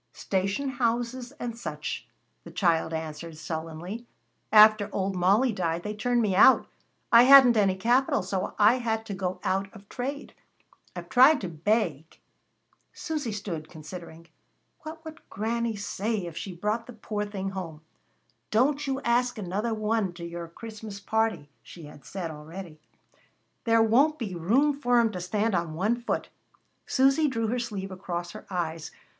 "Station houses and such," the child answered sullenly. "After old Molly died, they turned me out. I hadn't any capital, so I had to go out of trade. I've tried to beg " [Illustration: "She sat down on a doorstep and began to cry."] Susy stood considering. What would Granny say if she brought the poor thing home? "Don't you ask another one to your Christmas party," she had said already. "There won't be room for 'em to stand on one foot." Susy drew her sleeve across her eyes.